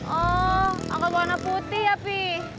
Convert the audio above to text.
oh angkot warna putih ya pi